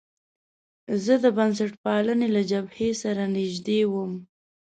زه د بنسټپالنې له جبهې سره نژدې وم.